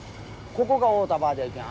ここが合うたばあじゃいけん。